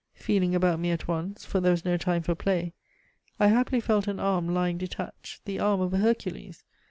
Feeling about me at once, for there was no time for play, I happily felt an arm lying detached, the arm of a Hercules!